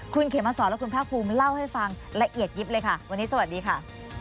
คุณเขมสอนและคุณภาคภูมิเล่าให้ฟังละเอียดยิบเลยค่ะวันนี้สวัสดีค่ะ